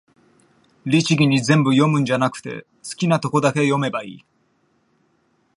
律儀に全部読むんじゃなくて、好きなとこだけ読めばいい